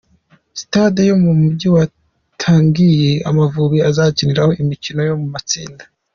Stade yo mu mugi wa Tangier Amavubi azakiniraho imikino yo mu matsinda.